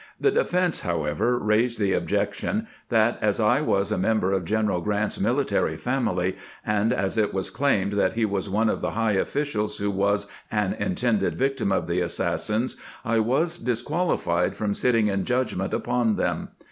The defense, however, raised the objection that as I was a member of General Grant's military family, and as it was claimed that he was one of the high officials who was an intended victim of the assassins, I was disquahfied from sitting in judgment upon them.